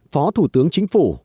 phó thủ tướng chính phủ